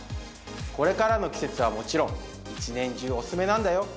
これからの季節はもちろん一年中おすすめなんだよ